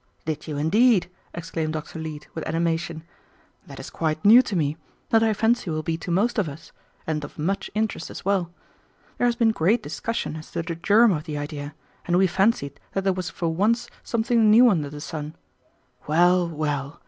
"Did you, indeed?" exclaimed Dr. Leete, with animation. "That is quite new to me, and I fancy will be to most of us, and of much interest as well. There has been great discussion as to the germ of the idea, and we fancied that there was for once something new under the sun. Well! well!